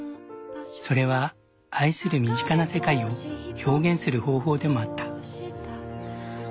それは愛する身近な世界を表現する方法でもあった。